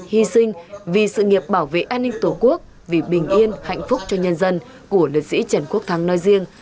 hy sinh vì sự nghiệp bảo vệ an ninh tổ quốc vì bình yên hạnh phúc cho nhân dân của liệt sĩ trần quốc thắng nói riêng